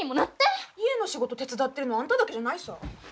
家の仕事手伝ってるのはあんただけじゃないさぁ。